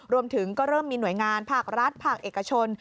รวมถึงก็เริ่มมีหน่วยงานภาครัฐภาคเอกชน